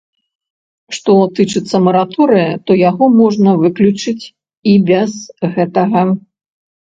Што тычыцца мараторыя, то яго можна выключыць і без гэтага.